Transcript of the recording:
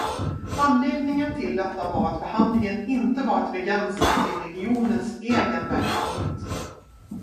Anledningen till detta var att behandlingen inte varit begränsad till regionens egen verksamhet.